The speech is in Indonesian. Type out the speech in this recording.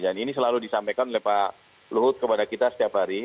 dan ini selalu disampaikan oleh pak luhut kepada kita setiap hari